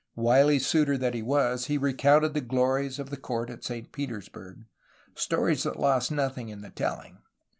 Wily suitor that he was, he recounted the glories of the court at Saint Petersburg, stories that lost nothing in the telling.